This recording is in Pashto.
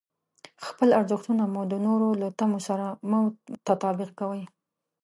خپل ارزښتونه مو د نورو له تمو سره مه تطابق کوئ.